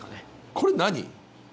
これ何？